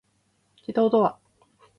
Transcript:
自動ドア